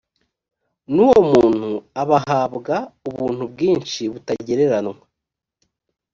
n uwo muntu abahabwa ubuntu bwinshi butagereranywa